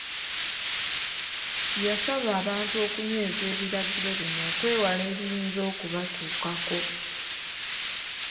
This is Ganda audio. Yasaba abantu okunyweza ebiragiro bino okwewala ebiyinza okubatuukako.